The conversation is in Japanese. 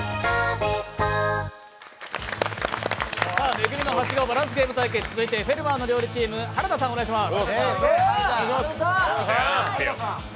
「め組のはしごバランスゲーム」対決続いて「フェルマーの料理」チーム原田さんお願いします。